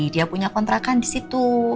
dia punya kontrakan di situ